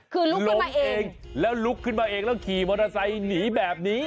อ๋อคือสุดท้ายลุกขึ้นมาเองแล้วขี่มอเตอร์ไซต์หนีแบบนี้